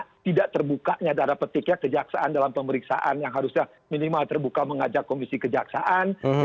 karena tidak terbukanya darah petiknya kejaksaan dalam pemeriksaan yang harusnya minimal terbuka mengajak komisi kejaksaan